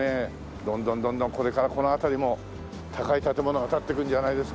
どんどんどんどんこれからこの辺りも高い建物が建っていくんじゃないですか？